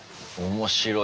面白い。